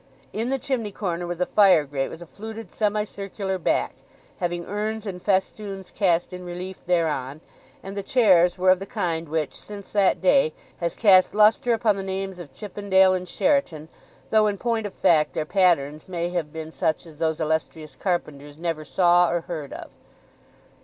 In the chimney corner was a fire grate with a fluted semi circular back, having urns and festoons cast in relief thereon, and the chairs were of the kind which, since that day, has cast lustre upon the names of Chippendale and Sheraton, though, in point of fact, their patterns may have been such as those illustrious carpenters never saw or heard of.